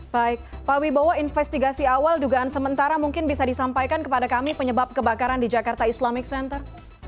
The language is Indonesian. baik pak wibowo investigasi awal dugaan sementara mungkin bisa disampaikan kepada kami penyebab kebakaran di jakarta islamic center